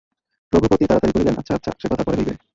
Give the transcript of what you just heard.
রঘুপতি তাড়াতাড়ি কহিলেন –আচ্ছা, আচ্ছা, সেকথা পরে হইবে।